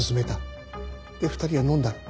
で２人は飲んだ。